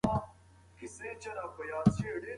لښتې په خپل زړه کې د یوې نوې مېنې ارمان درلود.